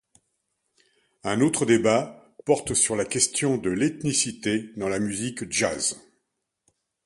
Un autre débat porte sur la question de l'ethnicité dans la musique jazz.